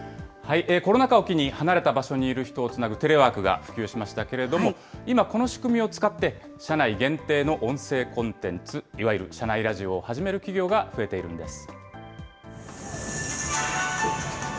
コロナ禍を機に、離れた場所にいる人をつなぐテレワークが普及しましたけれども、今、この仕組みを使って、社内限定の音声コンテンツ、いわゆる社内ラジオを始める企業が増えているんです。